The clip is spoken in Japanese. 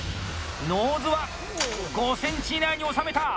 ノーズは５ｃｍ以内に収めた！